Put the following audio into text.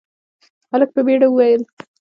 هلک په بيړه وويل: